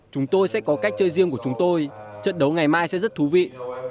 chúng tôi sẽ có cách chơi riêng của chúng tôi trận đấu ngày mai sẽ rất thú vị